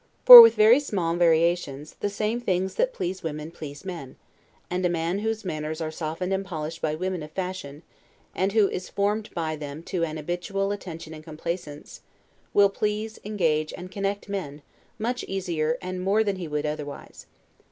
For with very small variations, the same things that please women please men; and a man whose manners are softened and polished by women of fashion, and who is formed by them to an habitual attention and complaisance, will please, engage, and connect men, much easier and more than he would otherwise.